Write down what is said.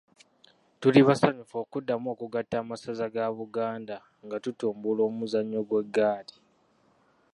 Tuli basanyufu okuddamu okugatta amasaza ga Buganda nga tutumbula omuzannyo gw’eggaali .